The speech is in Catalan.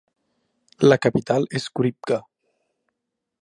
La capital és Khouribga.